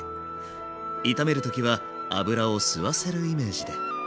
炒める時は油を吸わせるイメージで。